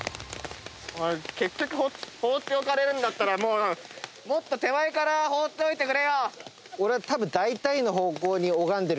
結局放っておかれるんだったらもっと手前から放っておいてくれよ！